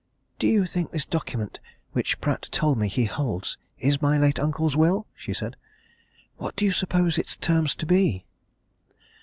"You think this document which Pratt told me he holds is my late uncle's will?" she said. "What do you suppose its terms to be?"